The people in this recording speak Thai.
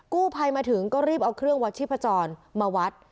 กู้ภัยมาถึงก็รีบเอาเครื่องวัดชีพจรมาวัด